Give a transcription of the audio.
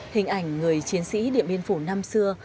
hình ảnh người chiến sĩ điện biên phủ năm xưa